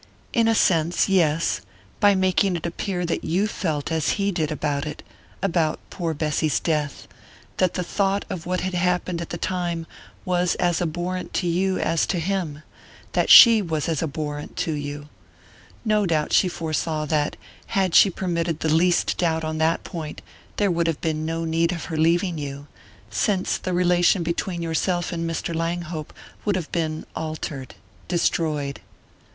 "In a sense, yes; by making it appear that you felt as he did about about poor Bessy's death: that the thought of what had happened at that time was as abhorrent to you as to him that she was as abhorrent to you. No doubt she foresaw that, had she permitted the least doubt on that point, there would have been no need of her leaving you, since the relation between yourself and Mr. Langhope would have been altered destroyed...."